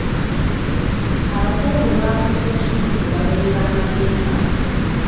Abakungu bafuuse kitundu ku bamenyi b'amateeka.